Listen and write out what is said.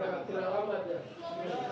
ini dulapak ya